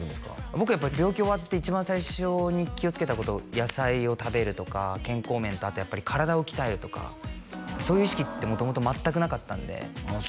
僕やっぱ病気終わって一番最初に気をつけたこと野菜を食べるとか健康面とあとやっぱり体を鍛えるとかそういう意識って元々全くなかったんでああ